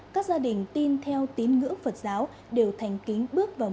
các gia đình tin theo tín ngưỡng phật giáo đều thành kính bước vào